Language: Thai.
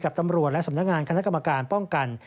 ตำรวจและสำนักงานคณะกรรมการป้องกัน